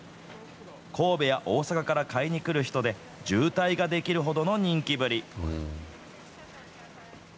神戸や大阪から買いに来る人で、渋滞が出来るほどの人気ぶり。